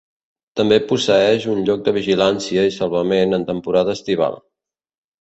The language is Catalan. També posseeix un lloc de vigilància i salvament en temporada estival.